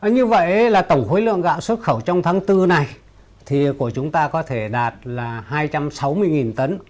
như vậy là tổng khối lượng gạo xuất khẩu trong tháng bốn này thì của chúng ta có thể đạt là hai trăm sáu mươi tấn